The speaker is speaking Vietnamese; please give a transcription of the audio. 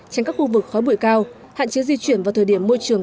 tránh các khu vực khói bụi cao hạn chế di chuyển vào thời điểm môi trường